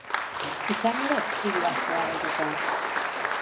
Izan ere, diru asko dago jokoan.